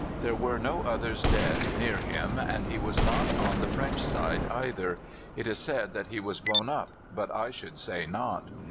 "There were no others dead near him, and he was not on the French side either. It is said that he was blown up, but I should say not.